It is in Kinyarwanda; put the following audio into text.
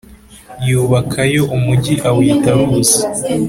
yubakayo umugi awita Luzi.